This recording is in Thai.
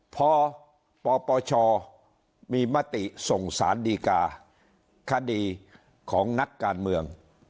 พอปปชมีมติส่งสารดีกาคดีของนักการเมือง